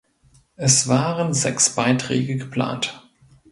Es waren sechs Beiträge geplant.